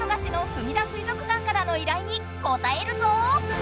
すみだ水族館からの依頼にこたえるぞ！